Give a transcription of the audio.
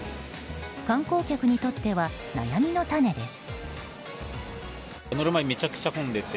観光客にとっては悩みの種です。